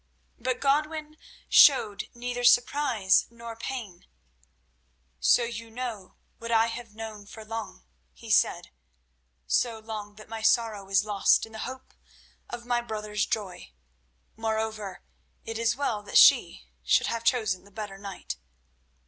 But Godwin showed neither surprise nor pain. "So you know what I have known for long," he said, "so long that my sorrow is lost in the hope of my brother's joy. Moreover, it is well that she should have chosen the better knight."